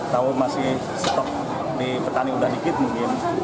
tahun masih setok di petani udah dikit mungkin